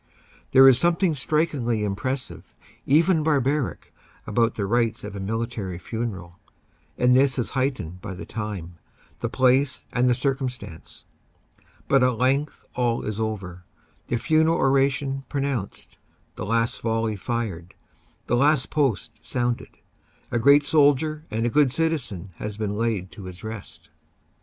There is something strikingly impressive, even bar baric, about the rites of a military funeral, and this is height ened by the time, the place and the circumstance. But at length all is over; the funeral oration pronounced, the last volley fired, the Last Post sounded ; a great soldier and good citizen has been laid to his rest.